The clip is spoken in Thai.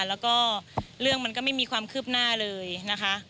แล้วก็เรื่องมันก็ไม่มีความคืบหน้าเลยนะคะ